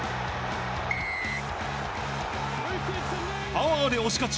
パワーで押し勝ち